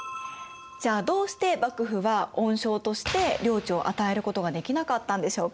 じゃあどうして幕府は恩賞として領地を与えることができなかったんでしょうか？